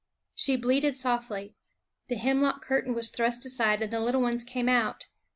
She bleated softly; the hemlock cur tain was thrust aside, and the little ones came out.